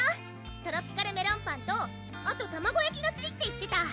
「トロピカルメロンパン」とあと卵やきがすきって言ってた！